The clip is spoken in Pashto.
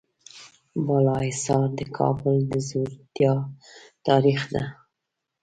بالاحصار د کابل د زړورتیا تاریخ ده.